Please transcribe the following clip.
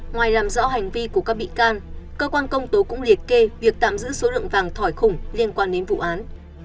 ngoài làm rõ hành vi của các bị can cơ quan công tố cũng liệt kê việc tạm giữ số lượng vàng thỏi khủng liên quan đến vụ án